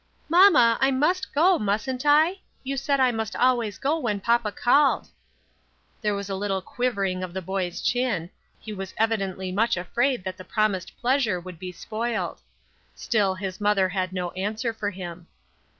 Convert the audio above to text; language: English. "" Mamma, I must go, mustn't I ? You said I must always go when papa called." There was a little quivering of the boy's chin ; he was evidently much afraid that the promised pleasure would be spoiled. Still his mother had no answer for him.